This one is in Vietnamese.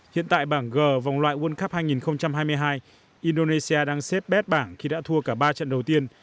hiện tại bảng g vòng loại world cup hai nghìn hai mươi hai indonesia đang xếp bét bảng khi đã thua cả ba trận đầu tiên